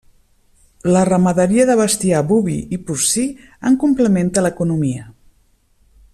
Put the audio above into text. La ramaderia de bestiar boví i porcí en complementa l'economia.